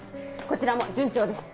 こちらも順調です。